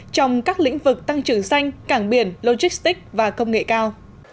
trong các lĩnh vực tăng trưởng xanh cảng biển logistics và công nghệ cao